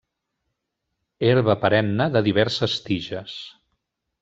Herba perenne de diverses tiges.